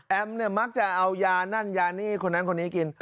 เนี่ยมักจะเอายานั่นยานี่คนนั้นคนนี้กิน